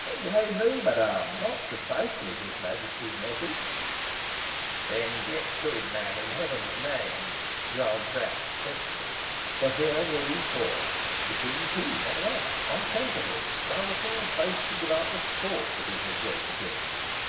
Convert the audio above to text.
"Why, no, madam, not precisely his majesty's message." "Then get to it, man, in Heaven's name," growled Sapt testily. For here were we four (the queen, too, one of us!) on tenterhooks, while the fool boasted about the sport that he had shown the king.